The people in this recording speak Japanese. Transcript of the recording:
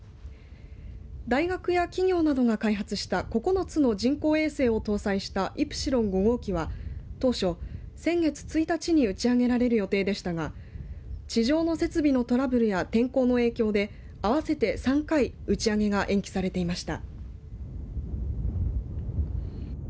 大学や企業などが開発した９つの人工衛星を搭載したイプシロン５号機は当初、先月１日に打ち上げられる予定でしたが地上の設備のトラブルや天候の影響で合わせて３回、打ち上げが延期されていました。